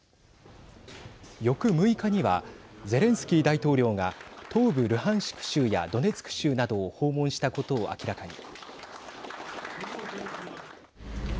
翌６日にはゼレンスキー大統領が東部ルハンシク州やドネツク州などを訪問したことを明らかに。